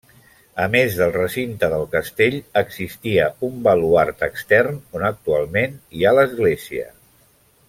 A més del recinte del Castell, existia un baluard extern on actualment hi ha l'església.